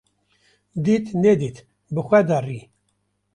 Dît nedît bi xwe de rî